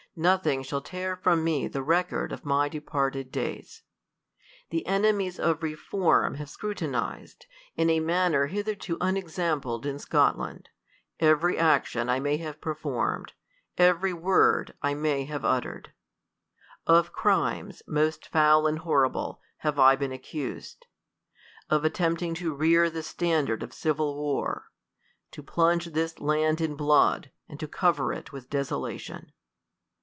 Nothing shall tear from me thf record of my departed days. The enemies of reform have scrutinized, in a manner hitherto unexampled in Scot land, every action I may have performed, every word I may have uttered. Of crimes, most foul and horri ble, have I been accused : of attempting to rear the standard of civil war; to plunge this land in blood, and to cover it with desolation.